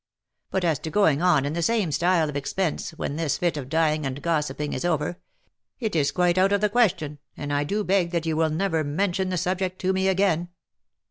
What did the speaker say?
But as to going on in the same style of expense when this fit of dying and gossiping is over, it is quite out of the question, and I do beg that you will never mention the subject to me again.